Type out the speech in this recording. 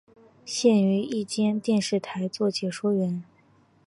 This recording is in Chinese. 现于一间电视台做解说员。